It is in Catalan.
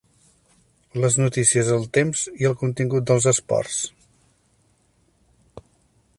Les notícies, el temps i el contingut dels esports.